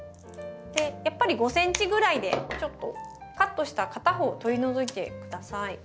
やっぱり５ｃｍぐらいでちょっとカットした片方取り除いて下さい。